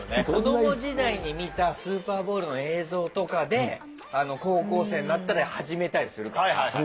子ども時代に見たスーパーボウルの映像とかで、高校生になったら始めたりするから。